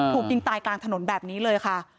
ถูกยิงตายกลางถนนแบบนี้เลยค่ะ